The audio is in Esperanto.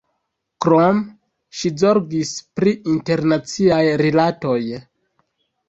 Krome ŝi zorgis pri internaciaj rilatoj.